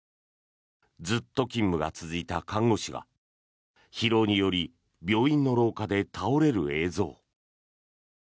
ずっと勤務が続いた看護師が疲労により病院の廊下で倒れる映像。